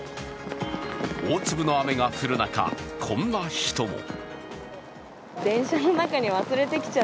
大粒の雨が降る中、こんな人も。